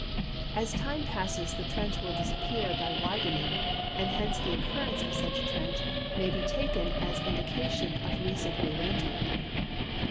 As time passes the trench will disappear by widening, and hence the occurrence of such a trench may be taken as indication of recent rearrange ment.